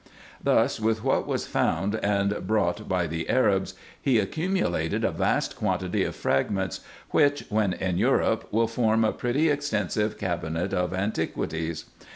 Thus, with what was found and brought by the Arabs, he accumulated a vast quantity of fragments, which, when in Europe, will form a pretty extensive cabinet of antiquities.